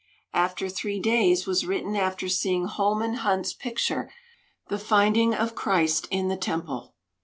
"After Three Days" was written after seeing Holman Hunt's picture, The Finding of Christ in the Temple.